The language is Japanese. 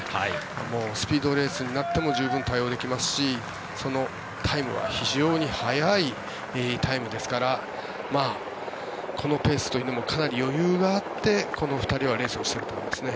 もうスピードレースになっても十分対応できますしそのタイムは非常に速いタイムですからこのペースというのもかなり余裕があってこの２人はレースをしていると思いますね。